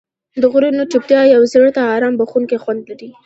د غرونو چوپتیا یو زړه ته آرام بښونکی خوند لري.